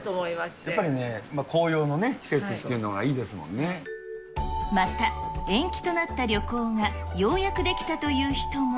やっぱりね、紅葉のね、また、延期となった旅行がようやくできたという人も。